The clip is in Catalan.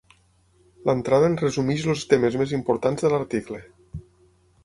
L'entrada en resumeix les temes més importants de l'article.